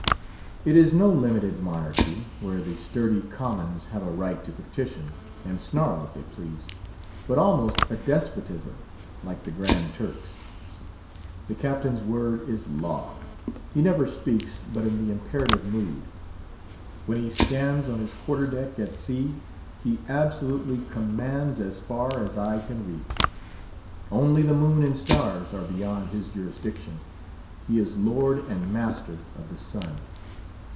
It is no limited monarchy, where the sturdy Commons have a right to petition, and snarl if they please; but almost a despotism like the Grand Turk's. The captain's word is law; he never speaks but in the imperative mood. When he stands on his Quarter deck at sea, he absolutely commands as far as eye can reach. Only the moon and stars are beyond his jurisdiction. He is lord and master of the sun.